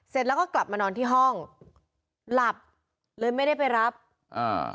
เสร็จแล้วก็กลับมานอนที่ห้องหลับเลยไม่ได้ไปรับอ่า